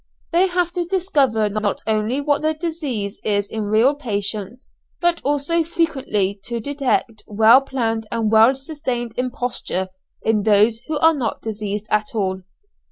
They have to discover not only what the disease is in real patients, but also frequently to detect well planned and well sustained imposture in those who are not diseased at all.